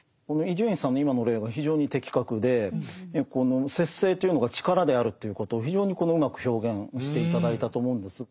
伊集院さんの今の例は非常に的確でこの節制というのが力であるということを非常にうまく表現して頂いたと思うんです。